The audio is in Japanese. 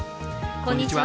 こんにちは。